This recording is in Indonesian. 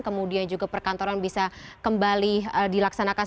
kemudian juga perkantoran bisa kembali dilaksanakan